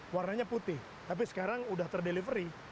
warnanya putih tapi sekarang sudah ter delivery